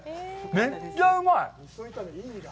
めっちゃうまい。